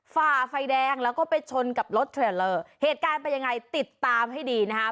ฝ่าไฟแดงแล้วก็ไปชนกับรถเทรลเลอร์เหตุการณ์เป็นยังไงติดตามให้ดีนะครับ